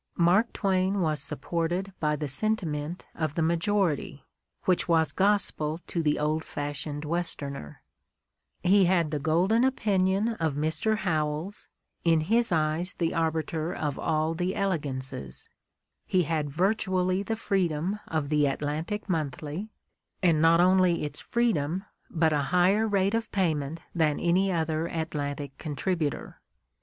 Mark Twain was supported by the sentiment of the majority, which was gospel to the old fashioned Westerner; he had the golden opinion of Mr. Howells, in his eyes the arbiter of all the elegances ; he had virtually the freedom of The Atlantic Monthly, and not only its freedom but a higher rate of payment than any other Atlantic con tributor.